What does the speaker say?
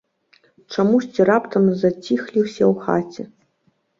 Чамусьці раптам заціхлі ўсе ў хаце.